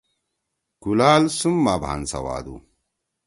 کُلال سُم ما بھان سوادُو۔